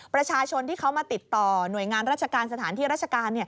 ประชาชนที่เขามาติดต่อหน่วยงานราชการสถานที่ราชการ